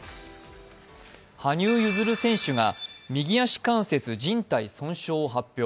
羽生結弦選手が右足関節じん帯損傷を発表。